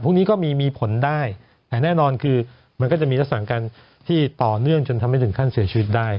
พวกนี้ก็มีมีผลได้แต่แน่นอนคือมันก็จะมีลักษณะการที่ต่อเนื่องจนทำให้ถึงขั้นเสียชีวิตได้